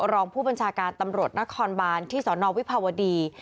รองผู้บัญชาการตำรวจนครบานที่สนวิภาวดี